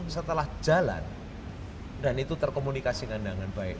setelah jalan dan itu terkomunikasi dengan dengan baik